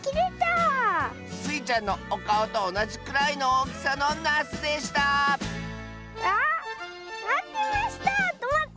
スイちゃんのおかおとおなじくらいのおおきさのなすでしたあまってましたトマト！